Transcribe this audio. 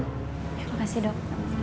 terima kasih dok